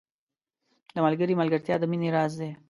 • د ملګري ملګرتیا د مینې راز دی.